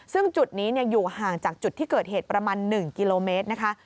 ซึ่งจุดนี้อยู่ห่างจากจุดที่เกิดเหตุประมาณ๑กิโลเมตรนะคะ